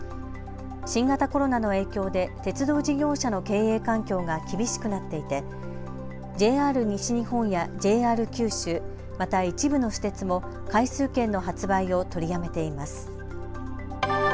新型コロナの影響で鉄道事業者の経営環境が厳しくなっていてＪＲ西日本やＪＲ九州また一部の私鉄も回数券の発売を取りやめています。